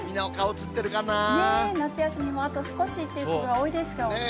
夏休みもあと少しっていう子が多いでしょうね。